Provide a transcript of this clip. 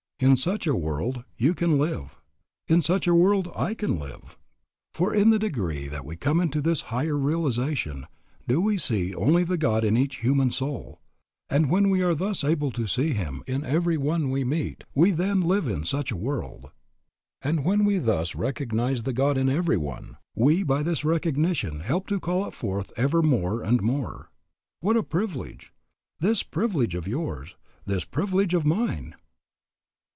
In such a world you can live. In such a world I can live. For in the degree that we come into this higher realization do we see only the God in each human soul; and when we are thus able to see Him in every one we meet, we then live in such a world. And when we thus recognize the God in every one, we by this recognition help to call it forth ever more and more. What a privilege, this privilege of yours, this privilege of mine!